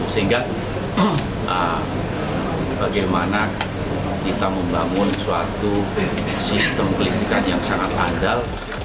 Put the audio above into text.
sehingga bagaimana kita membangun suatu sistem kelistrikan yang sangat andal